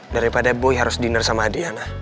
daripada boy harus diner sama adriana